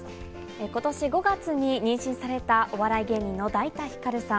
今年５月に妊娠されたお笑い芸人のだいたひかるさん。